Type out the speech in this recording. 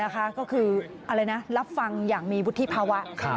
ก็คือรับฟังอย่างมีวุฒิภาวะ